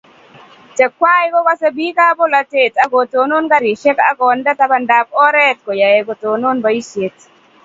chekwai kokase biikab bolatet ak kotonon garisiek ak konde tababdap oret koyae kotonon boisiet